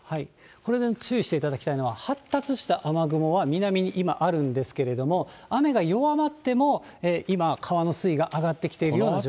これで注意していただきたいのは、発達した雨雲は南に今、あるんですけれども、雨が弱まっても、今、川の水位が上がってきているような状況です。